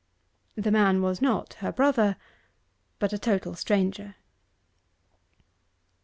The man was not her brother, but a total stranger.